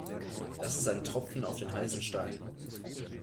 Das ist ein Tropfen auf den heißen Stein.